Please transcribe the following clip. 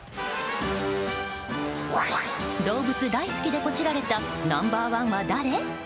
動物大好きでポチられたナンバー１は誰？